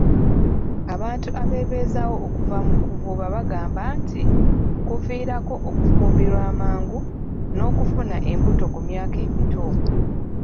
Abantu abebeezaawo okuva mu kuvuba bagamba nti kuviirako okufumbirwa amangu n'okufuna embuto ku myaka emito.